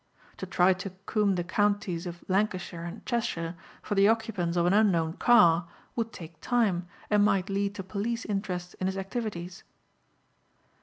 To try to comb the counties of Lancashire and Cheshire for the occupants of an unknown car would take time and might lead to police interest in his activities.